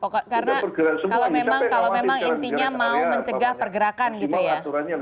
karena kalau memang intinya mau mencegah pergerakan gitu ya